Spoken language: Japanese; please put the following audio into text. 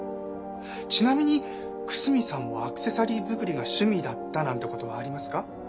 ちなみに楠見さんもアクセサリー作りが趣味だったなんて事はありますか？